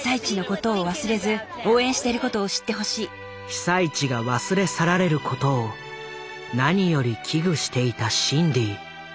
被災地が忘れ去られることを何より危惧していたシンディ。